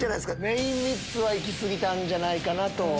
メイン３つは行き過ぎたんじゃないかなと。